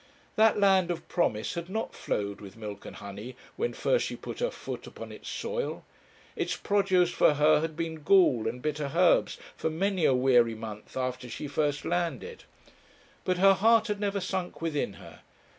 That land of promise had not flowed with milk and honey when first she put her foot upon its soil; its produce for her had been gall and bitter herbs for many a weary month after she first landed. But her heart had never sunk within her.